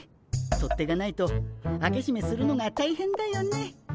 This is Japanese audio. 取っ手がないと開けしめするのが大変だよね。